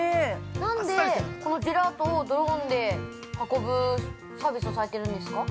◆なんで、このジェラートをドローンで運ぶサービスをされてるんですか。